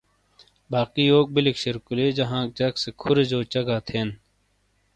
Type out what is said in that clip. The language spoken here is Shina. باقی یوک بیلک شیرقلی جہ ہانک جک سے کھورے جو چہگا تھین